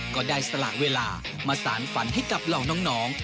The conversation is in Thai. ก็ได้สละเวลามาสารฝันให้กับเหล่าน้อง